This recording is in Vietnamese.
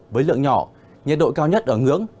với lượng nhỏ nhiệt độ cao nhất ở ngưỡng